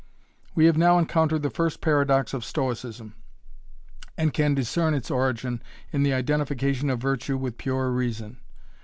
We have now encountered the first paradox of Stoicism, and can discern its origin in the identification of virtue with pure reason.